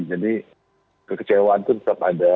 jadi kekecewaan itu tetap ada